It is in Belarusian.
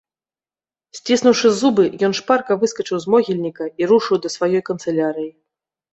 Сціснуўшы зубы, ён шпарка выскачыў з могільніка і рушыў да сваёй канцылярыі.